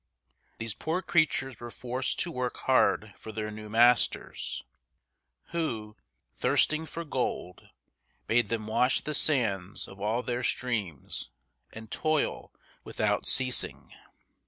These poor creatures were forced to work hard for their new masters, who, thirsting for gold, made them wash the sands of all their streams, and toil without ceasing.